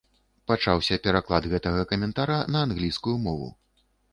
Пачаўся пераклад гэтага каментара на ангельскую мову.